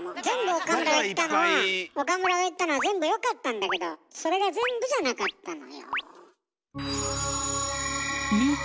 岡村が言ったのは全部よかったんだけどそれが全部じゃなかったのよ。